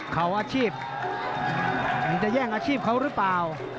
เขาอาชีพมันจะแย่งอาชีพเขาหรือเปล่า